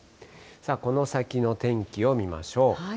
この先の天気を見ましょう。